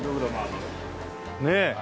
ねえ。